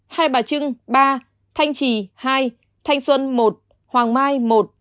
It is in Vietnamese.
hai bà trưng ba thanh trì hai thanh xuân một hoàng mai một